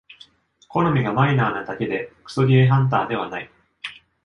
好みがマイナーなだけでクソゲーハンターではない